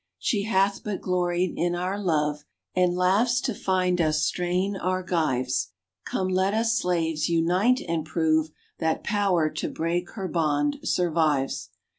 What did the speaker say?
She hath but gloried in our love, And laughs to find us strain our gyves. Come, let us slaves unite and prove That power to break her bond survives.